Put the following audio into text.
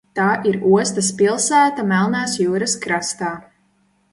Tā ir ostas pilsēta Melnās jūras krastā.